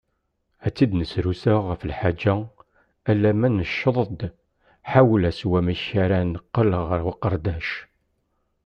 Ad tt-id-nesrusa ɣef lḥaǧa, alma nemceḍ-d ḥawla s wamek ara neqqel ɣer uqerdac.